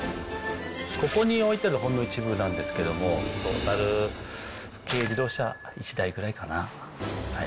ここに置いてあるのはほんの一部なんですけど、トータル軽自動車１台くらいかな？